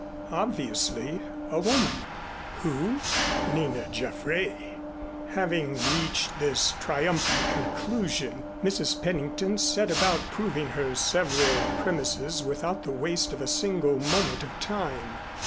Obviously a woman. Who? Nina Jaffray. Having reached this triumphant conclusion, Mrs. Pennington set about proving her several premises without the waste of a single moment of time.